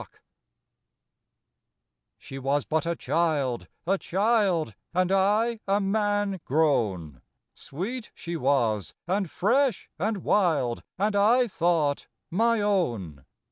O HE was but a child, a child, And I a man grown ; Sweet she was, and fresh, and wild, And I thought my own.